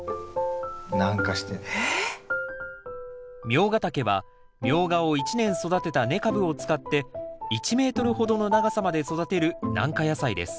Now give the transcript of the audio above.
ミョウガタケはミョウガを１年育てた根株を使って１ｍほどの長さまで育てる軟化野菜です